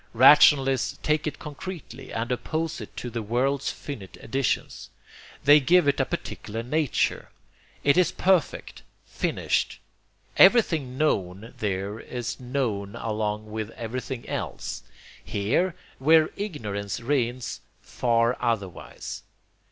Rationalists take it concretely and OPPOSE it to the world's finite editions. They give it a particular nature. It is perfect, finished. Everything known there is known along with everything else; here, where ignorance reigns, far otherwise.